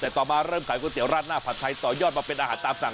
แต่ต่อมาเริ่มขายก๋วเตี๋ราดหน้าผัดไทยต่อยอดมาเป็นอาหารตามสั่ง